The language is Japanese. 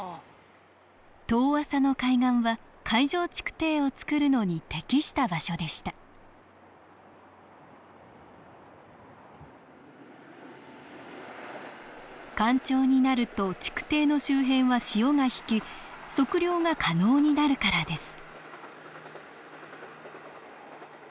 遠浅の海岸は海上築堤を造るのに適した場所でした干潮になると築堤の周辺は潮が引き測量が可能になるからです